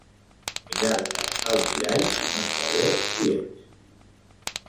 Mirar-te al mirall i no saber qui ets